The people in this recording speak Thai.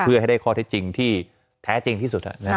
เพื่อให้ได้ข้อเท็จจริงที่แท้จริงที่สุด